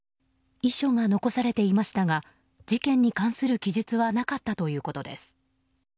遺書が残されていましたが事件に関する記述はなかったということです。